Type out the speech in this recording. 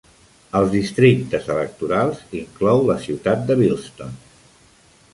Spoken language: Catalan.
El districte electorals inclou la ciutat de Bilston.